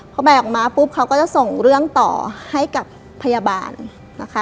พอแบกออกมาปุ๊บเขาก็จะส่งเรื่องต่อให้กับพยาบาลนะคะ